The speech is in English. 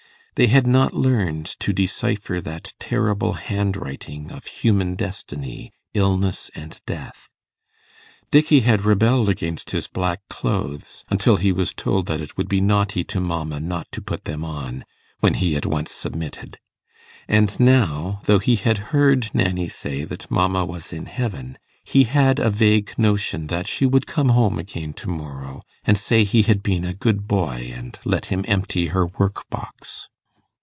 They had not learned to decipher that terrible handwriting of human destiny, illness and death. Dickey had rebelled against his black clothes, until he was told that it would be naughty to mamma not to put them on, when he at once submitted; and now, though he had heard Nanny say that mamma was in heaven, he had a vague notion that she would come home again to morrow, and say he had been a good boy and let him empty her work box.